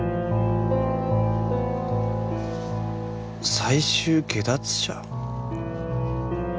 「最終解脱者」？